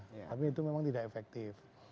tapi itu memang tidak efektif